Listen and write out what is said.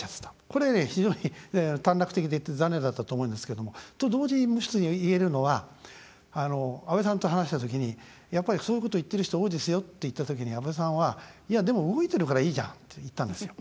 これ、非常に短絡的でいて残念だったと思うんですけどもと同時に、もう１つ言えるのは安倍さんと話したときにそういうこと言っている人多いですよって言ったときに安倍さんはでも、動いてるからいいじゃんって言ったんですよ。